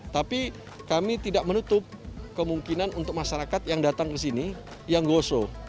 tapi kami tidak menutup kemungkinan untuk masyarakat yang datang ke sini yang goso